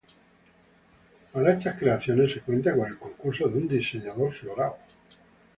Para estas creaciones, se cuenta con el concurso de un diseñador floral.